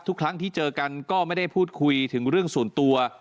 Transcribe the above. ทุกครั้งที่เจอกันก็ไม่ได้พูดคุยถึงเรื่องส่วนตัว